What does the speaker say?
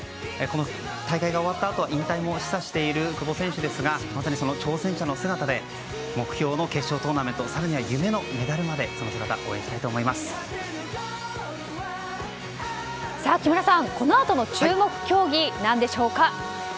この大会が終わったあとは引退も示唆している久保選手ですがまさにその挑戦者の姿で目標の決勝トーナメント更には夢のメダルまで木村さん、このあとの注目競技何でしょうか？